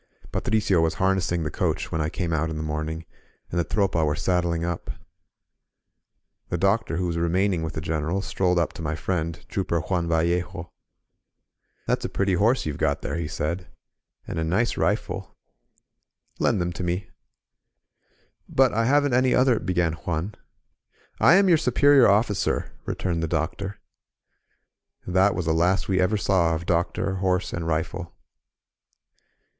Patricio was harnessing tiie coach when I came out in the morning, and the Tropa were saddling up. The doctor, who was remaining with the General, strolled up to my friend. Trooper Juan Vallejo. That's a pretty horse you've got there," he said, ^^and a nice rifle. Lend them to me." S2 LA TROPA ON THE MARCH But I haven't any other ^" began Juan. "I am your superior officer,*' returned the doctor. And that was the last we ever saw of doctor, horse and rifle.